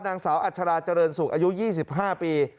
นางสาวอัชราเจริญสุขอายุ๒๕ปี